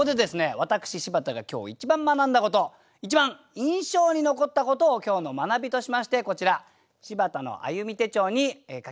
私柴田が今日一番学んだこと一番印象に残ったことを今日の学びとしましてこちら「柴田の歩み」手帳に書き記したので発表いたします。